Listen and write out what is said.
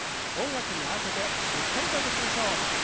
音楽に合わせてゆったりと動きましょう。